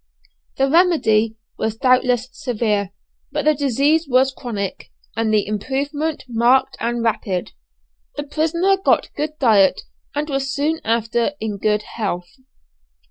The remedy was doubtless severe, but the disease was chronic and the improvement marked and rapid. The prisoner got good diet and was soon after in good health.